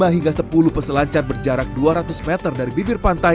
lima hingga sepuluh peselancar berjarak dua ratus meter dari bibir pantai